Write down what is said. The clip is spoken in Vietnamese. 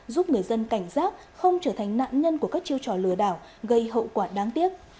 giúp người dân cảnh giác không trở thành nạn nhân của các chiêu trò lừa đảo gây hậu quả đáng tiếc